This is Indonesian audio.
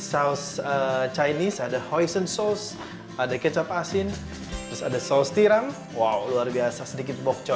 saus chinese ada hoisin sauce ada kecap asin ada saus tiram wow luar biasa sedikit bok choy